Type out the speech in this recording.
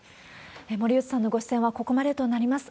森内さんのご出演はここまでとなります。